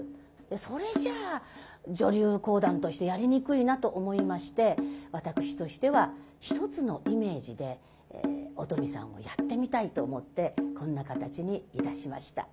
それじゃあ女流講談としてやりにくいなと思いまして私としては一つのイメージでお富さんをやってみたいと思ってこんな形にいたしました。